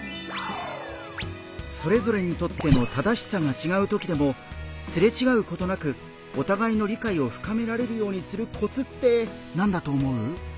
それぞれにとっての「正しさ」がちがうときでもすれちがうことなくお互いの理解を深められるようにするコツって何だと思う？